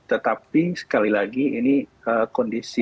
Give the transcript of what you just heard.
tetapi sekali lagi ini kondisi